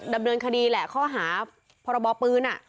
ดำเนินคดีแหละข้อหาพรบปืน